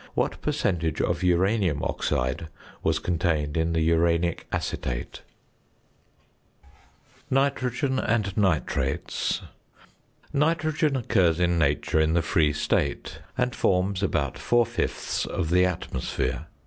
What percentage of uranium oxide was contained in the uranic acetate? NITROGEN AND NITRATES. Nitrogen occurs in nature in the free state, and forms about four fifths of the atmosphere.